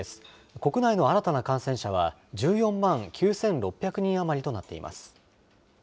国内の新たな感染者は、１４万９６００人余りとなっています。